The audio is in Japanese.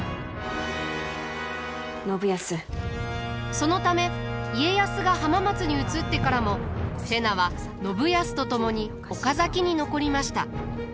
そのため家康が浜松に移ってからも瀬名は信康と共に岡崎に残りました。